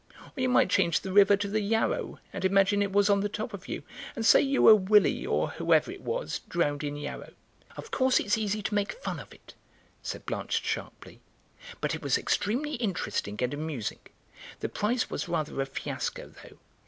Or you might change the river to the Yarrow and imagine it was on the top of you, and say you were Willie, or whoever it was, drowned in Yarrow." "Of course it's easy to make fun of it," said Blanche sharply, "but it was extremely interesting and amusing. The prize was rather a fiasco, though.